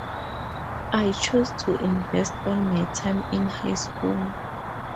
I chose to invest all my time in high school.